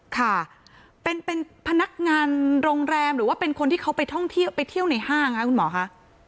ค่ะเป็นพนักงานโรงแรมหรือว่าเป็นคนที่เขาไปท่องเที่ยวไปเที่ยวในห้างค่ะคุณหมอคะ